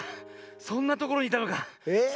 そんなところにいたのか。